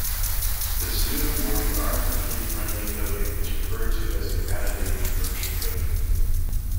This new, more environmentally friendly coating is referred to as a vanadate conversion coating.